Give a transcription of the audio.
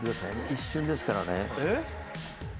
一瞬ですからね。